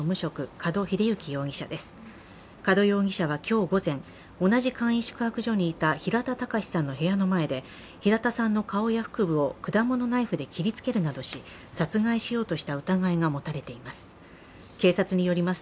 門容疑者は今日午前、同じ簡易宿泊所にいた平田孝さんの部屋の前で平田さんの顔や腹部を果物ナイフで切りつけるなどし殺害しようとした疑いが持たれています。